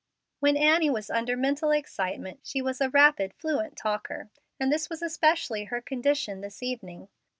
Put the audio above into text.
'" When Annie was under mental excitement, she was a rapid, fluent talker, and this was especially her condition this evening.